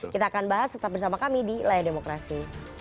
kita akan bahas tetap bersama kami di layar demokrasi